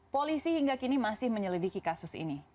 polisi hingga kini masih menyelidiki kasus ini